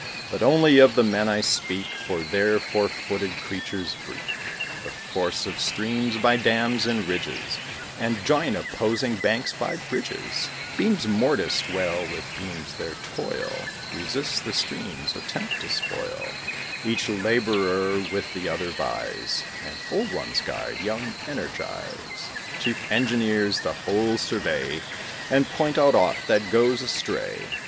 But only of the men I speak, For there four footed creatures break The force of streams by dams and ridges, And join opposing banks by bridges: Beams morticed well with beams, their toil Resists the stream's attempt to spoil; Each labourer with the other vies, And old ones guide young energies; Chief engineers the whole survey, And point out aught that goes astray.